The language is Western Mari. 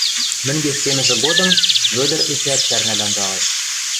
Мӹнгеш кемӹжӹ годым Вӧдӹр эчеӓт сӓрнӓл анжалеш